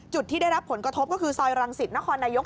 ที่ได้รับผลกระทบก็คือซอยรังสิตนครนายก